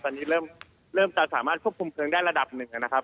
ตอนนี้เริ่มจะสามารถควบคุมเพลิงได้ระดับหนึ่งนะครับ